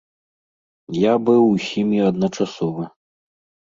Я быў усімі адначасова.